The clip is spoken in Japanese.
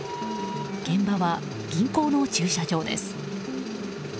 現場は銀行の駐車場です。